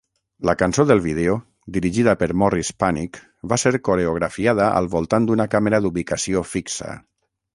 La cançó del vídeo, dirigida per Morris Panych, va ser coreografiada al voltant d'una càmera d'ubicació fixa.